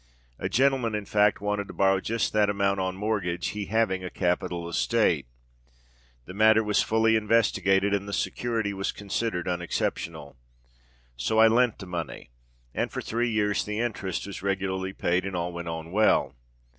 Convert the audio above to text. A gentleman, in fact, wanted to borrow just that amount on mortgage, he having a capital estate. The matter was fully investigated, and the security was considered unexceptionable. So I lent the money; and for three years the interest was regularly paid, and all went on well.